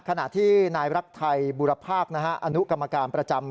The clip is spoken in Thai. ขณะที่นายรักไทยบุรภาคอนุกรรมการประจำ